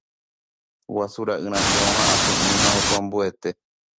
Guasu ra'y rasẽ oha'ã py'ỹi ha heko ambuete.